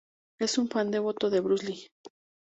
Es un fan devoto de Bruce Lee.